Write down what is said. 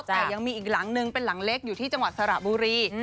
แต่ยังมีอีกหลังนึงเป็นหลังเล็กอยู่ที่จังหวัดสระบุรี